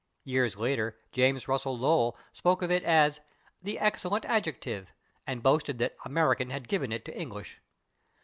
Years later James Russell Lowell spoke of it as "the excellent adjective," and boasted that American had given it to English.